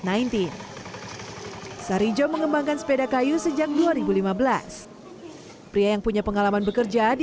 hai sarijo mengembangkan sepeda kayu sejak dua ribu lima belas pria yang punya pengalaman bekerja di